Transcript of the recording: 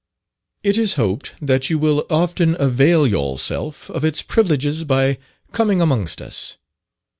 It is hoped that you will often avail yourself of its privileges by coming amongst us.